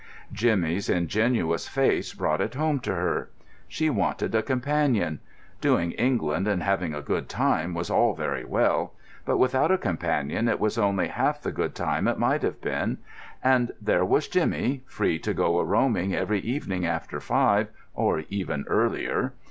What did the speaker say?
Jimmy's ingenuous face brought it home to her. She wanted a companion. Doing England and having "a good time" was all very well; but without a companion it was only half the good time it might have been. And there was Jimmy, free to go a roaming every evening after five, or even earlier.